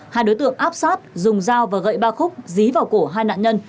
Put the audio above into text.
hai đối tượng áp sát dùng dao và gậy ba khúc dí vào cổ hai nạn nhân